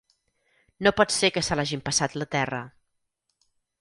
No pot ser que se l'hagi empassat la terra.